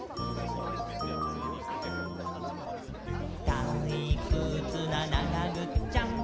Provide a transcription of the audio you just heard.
「たいくつな、ながぐっちゃん！！」